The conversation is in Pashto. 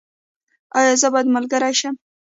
ایا زه باید ملګری شم؟